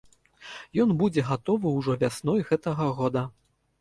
Ён будзе гатовы ўжо вясной гэтага года.